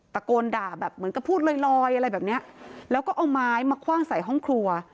ตะโกนด่าแบบเหมือนกับพูดลอยลอยอะไรแบบเนี้ยแล้วก็เอาไม้มาคว่างใส่ห้องครัว